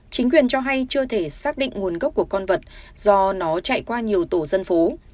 chính quyền cho hay chưa thể xác định nguồn gốc của con vật do nó chạy qua nhiều tổ dân phố